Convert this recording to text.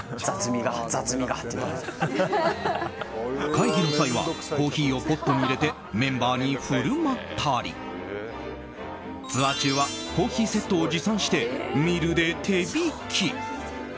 会議の際はコーヒーをポットに入れてメンバーに振る舞ったりツアー中はコーヒーセットを持参してミルで手びき。